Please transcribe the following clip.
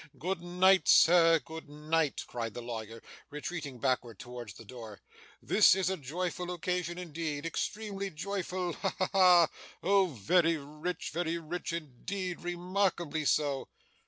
'Good night, sir, good night,' cried the lawyer, retreating backwards towards the door. 'This is a joyful occasion indeed, extremely joyful. Ha ha ha! oh very rich, very rich indeed, remarkably so!